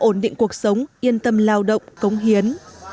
ổn định cuộc sống yên tâm lao động cống hiến